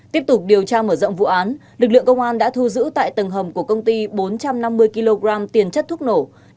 tiếp tục điều tra mở rộng vụ án lực lượng công an đã thu giữ tại tầng hầm của công ty bốn trăm năm mươi kg tiền chất thuốc nổ